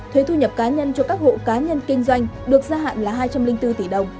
thuế thu nhập cá nhân cho các hộ cá nhân kinh doanh được gia hạn là hai trăm linh bốn tỷ đồng